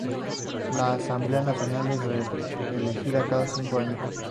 La Asamblea Nacional es reelegida cada cinco años.